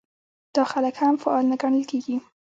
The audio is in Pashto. دا خلک هم فعال نه ګڼل کېږي.